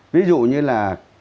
ví dụ như là